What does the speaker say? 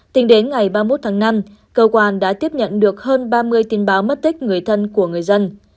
tính đến ngày ba mươi một tháng năm cơ quan đã tiếp nhận được hơn ba mươi tin báo mất tích người thân của người dân